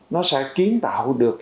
nó sẽ kiến tạo được